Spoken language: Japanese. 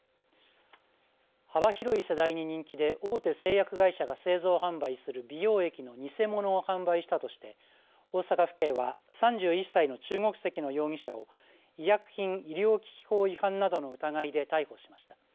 幅広い世代に人気で大手製薬会社が製造、販売する美容液の偽物を販売したとして大阪府警は３１歳の中国籍の容疑者を医薬品医療機器法違反などの疑いで逮捕しました。